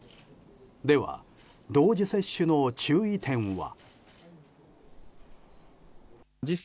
では、同時接種の注意点は？